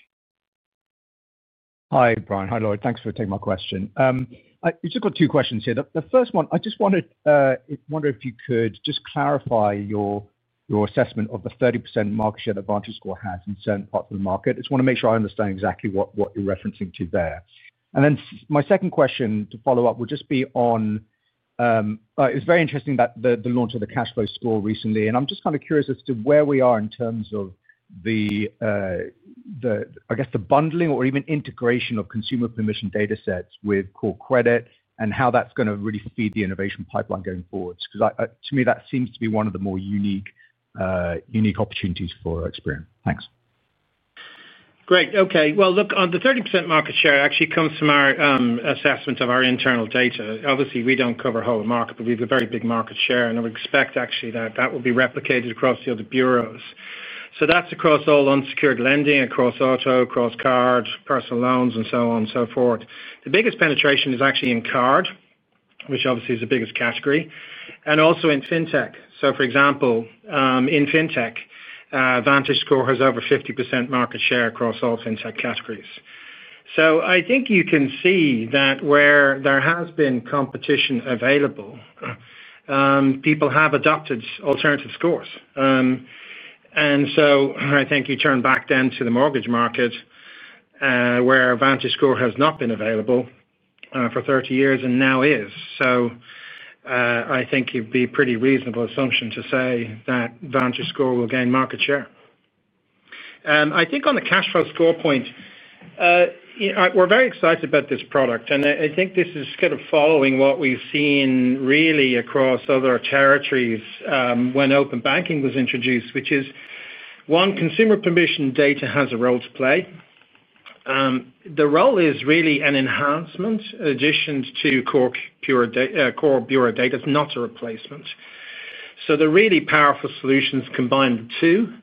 Hi, Brian. Hi, Lloyd. Thanks for taking my question. I just got two questions here. The first one, I just wondered if you could just clarify your assessment of the 30% market share that VantageScore has in certain parts of the market. I just want to make sure I understand exactly what you're referencing to there. My second question to follow up would just be on it was very interesting that the launch of the Cash Flow Score recently. I'm just kind of curious as to where we are in terms of the, I guess, the bundling or even integration of consumer permission Data sets with core credit and how that's going to really feed the innovation pipeline going forward. Because to me, that seems to be one of the more unique opportunities for Experian. Thanks. Great. Okay. On the 30% Market Share, it actually comes from our assessment of our internal Data. Obviously, we don't cover a whole market, but we have a very big Market Share. We expect actually that that will be replicated across the other Bureaus. That's across all Unsecured Lending, across Auto, across Card, Personal Loans, and so on and so forth. The biggest penetration is actually in card, which obviously is the biggest category. Also in FinTech. For example, in FinTech, VantageScore has over 50% market share across all FinTech categories. I think you can see that where there has been competition available, people have adopted alternative scores. I think you turn back then to the mortgage market, where VantageScore has not been available for 30 years and now is. I think it would be a pretty reasonable assumption to say that VantageScore will gain market share. I think on the Cash Flow Score point, we're very excited about this product. I think this is kind of following what we've seen really across other territories when open banking was introduced, which is, one, consumer permission Data has a role to play. The role is really an enhancement in addition to core bureau Data. It's not a replacement. They're really powerful solutions combined too.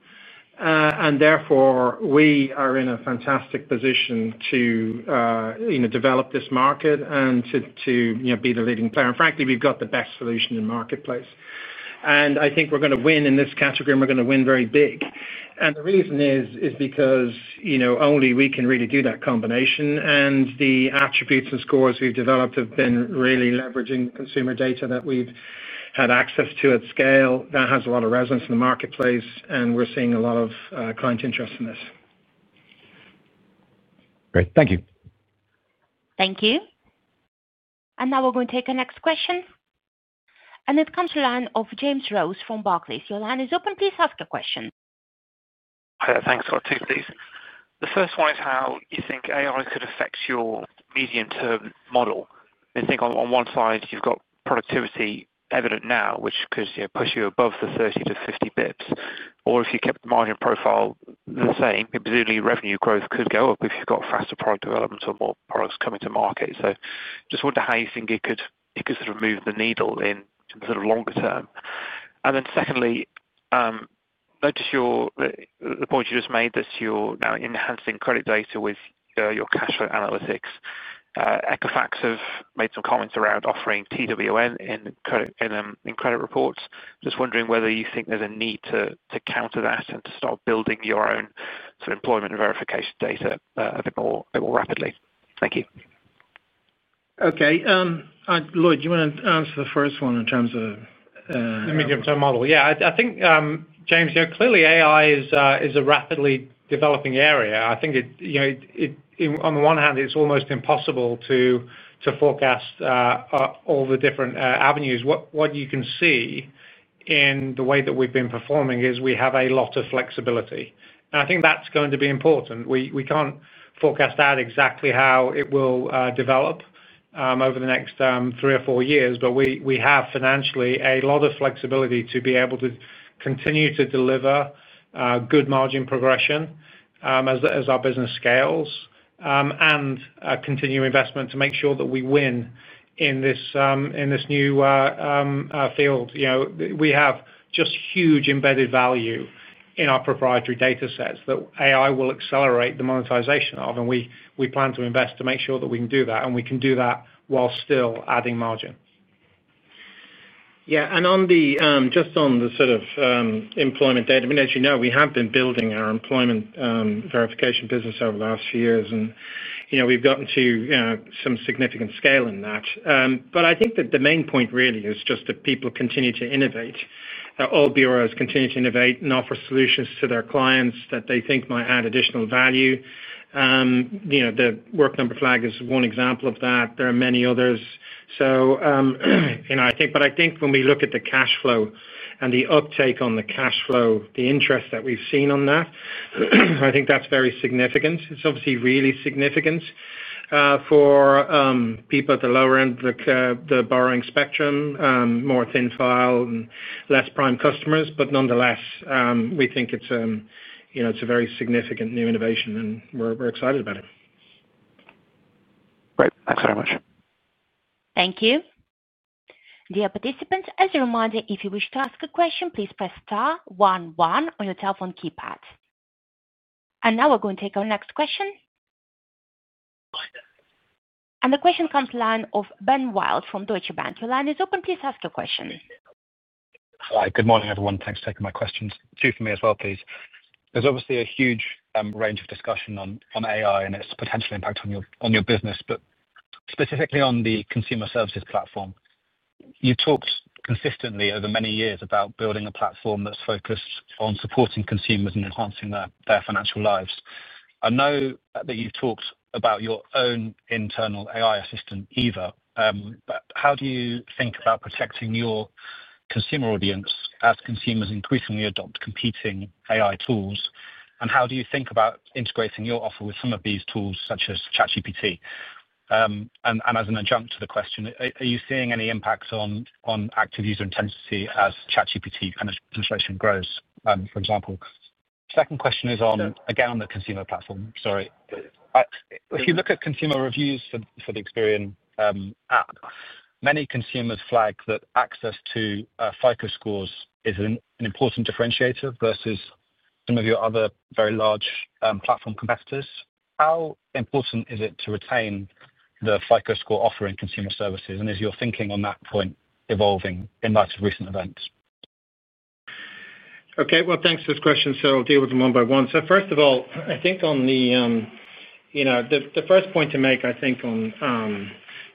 Therefore, we are in a fantastic position to develop this market and to be the leading player. Frankly, we've got the best solution in marketplace. I think we're going to win in this category, and we're going to win very big. The reason is because only we can really do that combination. The attributes and scores we've developed have been really leveraging consumer Data that we've had access to at scale. That has a lot of resonance in the marketplace, and we're seeing a lot of client interest in this. Great. Thank you. Thank you. Now we're going to take our next question. It comes to you, James Rose from Barclays. Your line is open. Please ask your question. Thanks. Two, please. The first one is how you think AI could affect your medium-term model. I think on one side, you've got productivity evident now, which could push you above the 30-50 basis points. Or if you kept the Margin Profile the same, presumably Revenue Growth could go up if you've got faster Product Development or more Products coming to market. Just wonder how you think it could sort of move the needle in sort of longer term. Then secondly, notice the point you just made that you're now enhancing Credit Data with your Cash Flow Analytics. Equifax have made some comments around offering TWN in Credit Reports. Just wondering whether you think there's a need to counter that and to start building your own sort of Employment Verification Data a bit more rapidly. Thank you. Okay. Lloyd, do you want to answer the first one in terms of the medium-term model? Yeah. I think, James, clearly, AI is a rapidly developing area. I think on the one hand, it's almost impossible to forecast all the different avenues. What you can see in the way that we've been performing is we have a lot of flexibility. I think that's going to be important. We can't forecast out exactly how it will develop over the next three or four years, but we have financially a lot of flexibility to be able to continue to deliver good margin progression as our business scales and continue investment to make sure that we win in this new field. We have just huge embedded value in our proprietary Data sets that AI will accelerate the monetization of. We plan to invest to make sure that we can do that. We can do that while still adding margin. Yeah. Just on the sort of Employment Data, I mean, as you know, we have been building our Employment Verification Business over the last few years. We've gotten to some significant scale in that. I think that the main point really is just that people continue to innovate. All Bureaus continue to innovate and offer solutions to their Clients that they think might add additional value. The Work Number Flag is one example of that. There are many others. I think when we look at the Cash Flow and the uptake on the Cash Flow, the interest that we've seen on that, I think that's very significant. It's obviously really significant for people at the lower end of the borrowing spectrum, more thin file, and less prime customers. Nonetheless, we think it's a very significant new innovation, and we're excited about it. Great. Thanks very much. Thank you. Dear participants, as a reminder, if you wish to ask a question, please press Star one one on your telephone keypad. We are going to take our next question. The question comes to you from Ben Wild from Deutsche Bank. Your line is open. Please ask your question. Hi. Good morning, everyone. Thanks for taking my questions. Two for me as well, please. There is obviously a huge range of discussion on AI and its potential impact on your business, but specifically on the Consumer Services Platform. You have talked consistently over many years about building a platform that is focused on supporting Consumers and enhancing their Financial Lives. I know that you have talked about your own internal AI Assistant, Eva. How do you think about protecting your Consumer Audience as Consumers increasingly adopt competing AI tools? How do you think about integrating your offer with some of these tools such as ChatGPT? As an adjunct to the question, are you seeing any impact on Active User intensity as ChatGPT kind of integration grows, for example? Second question is again on the Consumer Platform. Sorry. If you look at Consumer reviews for the Experian app, many Consumers Flag that access to FICO scores is an important differentiator versus some of your other very large Platform Competitors. How important is it to retain the FICO Score Offer in Consumer Services? Is your thinking on that point evolving in light of recent events? Okay. Thanks for this question. I'll deal with them one by one. First of all, I think on the first point to make, I think on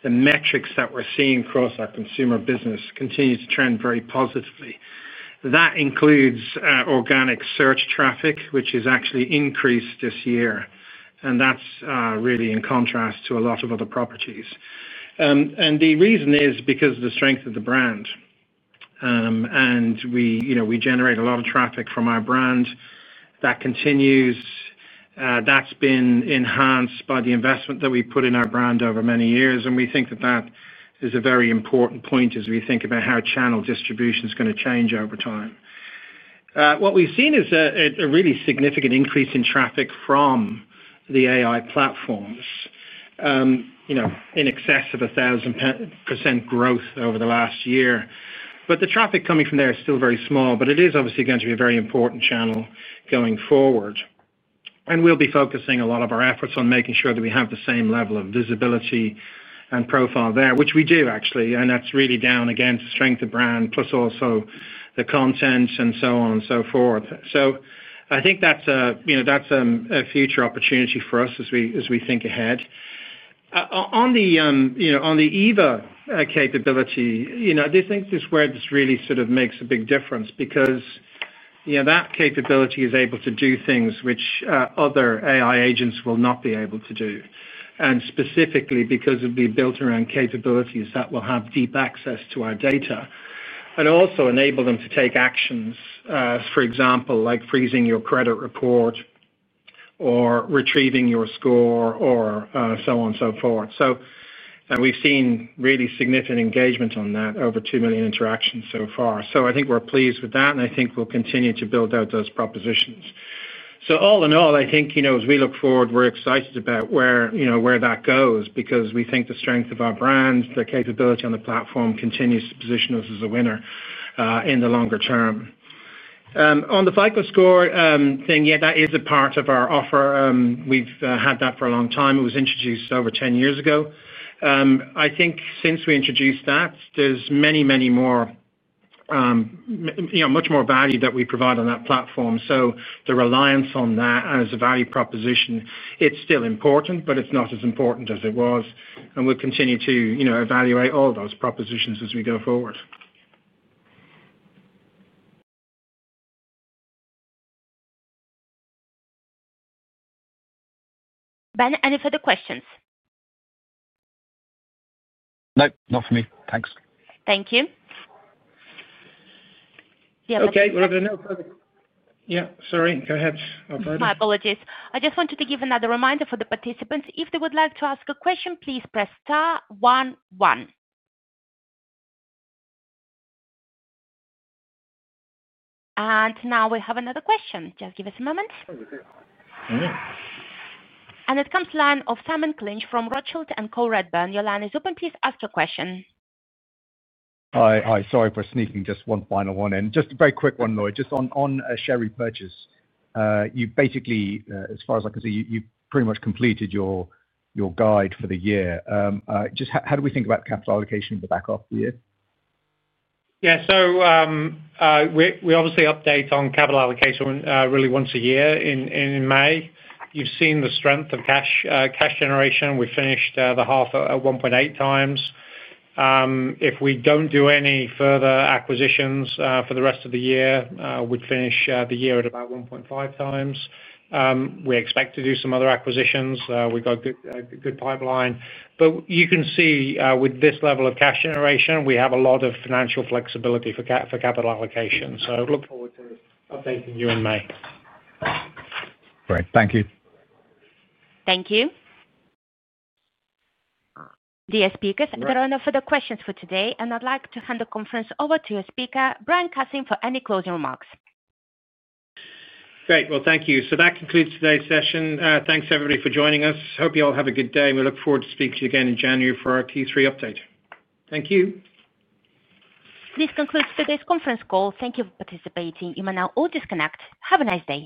the metrics that we're seeing across our Consumer business continues to trend very positively. That includes Organic Search Traffic, which has actually increased this year. That is really in contrast to a lot of other properties. The reason is because of the strength of the brand. We generate a lot of traffic from our brand. That continues. That has been enhanced by the investment that we put in our brand over many years. We think that is a very important point as we think about how Channel Distribution is going to change over time. What we've seen is a really significant increase in traffic from the AI platforms in excess of 1,000% growth over the last year. The traffic coming from there is still very small. It is obviously going to be a very important channel going forward. We'll be focusing a lot of our efforts on making sure that we have the same level of visibility and profile there, which we do actually. That is really down against the strength of brand, plus also the content and so on and so forth. I think that is a future opportunity for us as we think ahead. On the Eva capability, I do think this is where this really sort of makes a big difference because that capability is able to do things which other AI agents will not be able to do. Specifically because it will be built around capabilities that will have deep access to our Data and also enable them to take actions, for example, like freezing your credit report or retrieving your score or so on and so forth. We have seen really significant engagement on that, over 2 million interactions so far. I think we are pleased with that. I think we will continue to build out those propositions. All in all, I think as we look forward, we are excited about where that goes because we think the strength of our brand, the capability on the platform continues to position us as a winner in the longer term. On the FICO score thing, yeah, that is a part of our offer. We have had that for a long time. It was introduced over 10 years ago. I think since we introduced that, there is much more value that we provide on that platform. The reliance on that as a value proposition is still important, but it is not as important as it was. We will continue to evaluate all those propositions as we go forward. Ben, any further questions? Nope. Not for me. Thanks. Thank you. Okay. We're over the notebook. Yeah. Sorry. Go ahead. My apologies. I just wanted to give another reminder for the participants. If they would like to ask a question, please press star 11. And now we have another question. Just give us a moment. And it comes to Simon Clinch from Rothschild & Co Redburn. Your line is open. Please ask your question. Hi. Hi. Sorry for sneaking just one final one in. Just a very quick one, Lloyd. Just on share repurchase, you basically, as far as I can see, you've pretty much completed your guide for the year. Just how do we think about capital allocation in the back of the year? Yeah. So we obviously update on capital allocation really once a year in May. You've seen the strength of cash generation. We finished the half at 1.8x. If we do not do any further acquisitions for the rest of the year, we would finish the year at about 1.5x. We expect to do some other acquisitions. We have got a good pipeline. You can see with this level of cash generation, we have a lot of financial flexibility for capital allocation. Look forward to updating you in May. Great. Thank you. Thank you. Dear speakers, there are no further questions for today. I would like to hand the conference over to your speaker, Brian Cassin, for any closing remarks. Great. Thank you. That concludes today's session. Thanks, everybody, for joining us. Hope you all have a good day. We look forward to speaking to you again in January for our Q3 update. Thank you. This concludes today's conference call. Thank you for participating. You may now all disconnect. Have a nice day.